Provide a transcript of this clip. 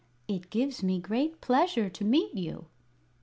"It gives me great pleasure to meet you."